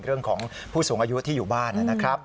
เรื่องของผู้สูงอายุที่อยู่บ้านนะครับ